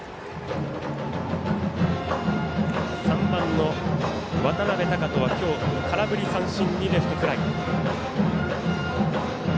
３番の渡邊升翔は今日、空振り三振にレフトフライ。